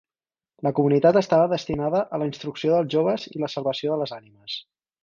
La comunitat estava destinada a la instrucció dels joves i la salvació de les ànimes.